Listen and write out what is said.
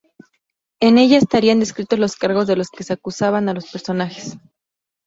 En ella estarían descritos los cargos de los que se acusaban a los personajes.